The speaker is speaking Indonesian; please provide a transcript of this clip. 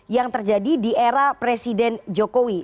yang terjadi di era presiden jokowi